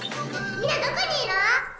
みんなどこにいるの？